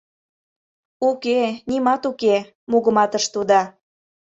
— Уке, нимат уке, — мугыматыш тудо.